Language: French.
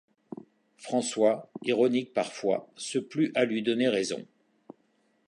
François, ironique parfois, se plut à lui donner raison.